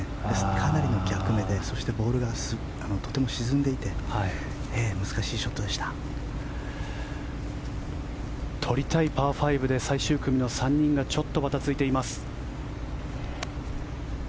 かなりの逆目でボールがとても沈んでいて取りたいパー５で最終組の３人がちょっとバタついています。